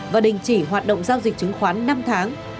và đình chỉ hoạt động giao dịch chứng khoán năm tháng